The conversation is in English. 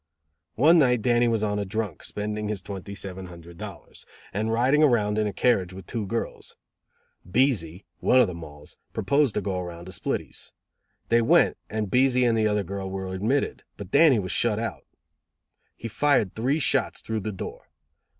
One night Dannie was on a drunk, spending his twenty seven hundred dollars, and riding around in a carriage with two girls. Beeze, one of the Molls, proposed to go around to Splitty's. They went, and Beeze and the other girl were admitted, but Dannie was shut out. He fired three shots through the door.